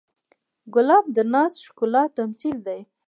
ګلاب د ناز ښکلا تمثیل دی.